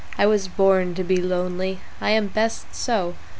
I was born to be lonely, I am best so!"